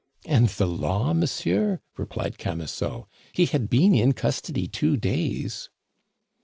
"And the law, monsieur?" replied Camusot. "He had been in custody two days."